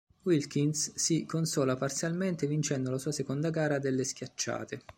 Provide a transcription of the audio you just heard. Wilkins si consola parzialmente vincendo la sua seconda gara delle schiacciate.